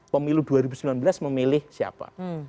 pemilu dua ribu sembilan belas memilih siapa